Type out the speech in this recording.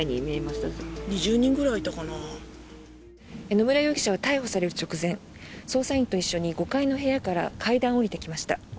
野村容疑者は逮捕される直前捜査員と一緒に５階の部屋から階段を下りてきました。